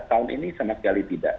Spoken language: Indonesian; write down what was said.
tahun ini sama sekali tidak